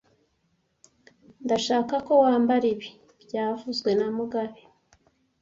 Ndashaka ko wambara ibi byavuzwe na mugabe